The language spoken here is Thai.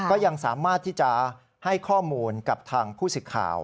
ก็ยังสามารถที่จะให้ข้อมูลกับทางผู้สิทธิ์ข่าว